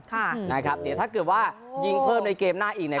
ถ้าเกิดว่ายิงเพิ่มในเกมหน้าอีกเนี่ย